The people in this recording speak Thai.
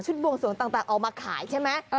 บวงสวงต่างเอามาขายใช่ไหม